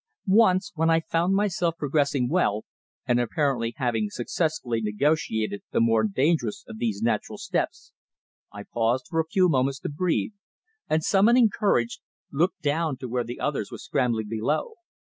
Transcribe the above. Once, when I found myself progressing well, and apparently having successfully negotiated the more dangerous of these natural steps, I paused for a few moments to breathe, and, summoning courage, looked down to where the others were scrambling below.